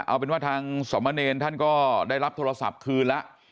เอาเป็นว่าทางสมเนรท่านก็ได้รับโทรศัพท์คืนแล้ว